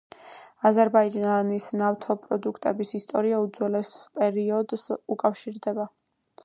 აზერბაიჯანის ნავთობპროდუქტების ისტორია უძველეს პერიოდს უკავშირდება.